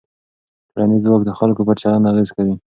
ټولنیز ځواک د خلکو پر چلند اغېز کوي.